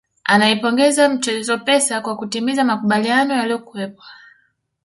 Anaipongeza mchezo Pesa kwa kutimiza makubaliano yaliyokuwepo